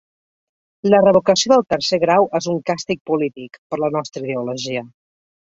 La revocació del tercer grau és un càstig polític, per la nostra ideologia.